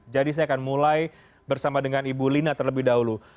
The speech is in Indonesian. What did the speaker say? jadi saya akan mulai bersama dengan ibu lina terlebih dahulu